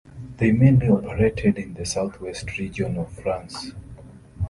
They mainly operated in the South West region of France.